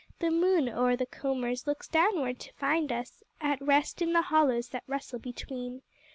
The moon, o'er the combers, looks downward to find us At rest in the hollows that rustle between.